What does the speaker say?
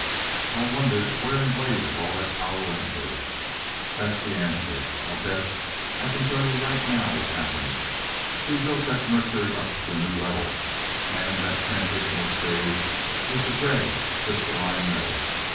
I wondered where in blazes all that power went to. That's the answer. I'll bet I can tell you right now what happened. We built that mercury up to a new level, and that transitional stage was the red, crystalline metal.